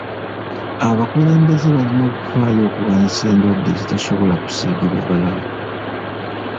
Abakulembeze balina okufaayo okulwanyisa endwadde ezitasobola kusiigibwa balala.